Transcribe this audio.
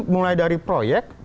mulai dari proyek